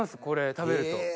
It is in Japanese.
これ食べると。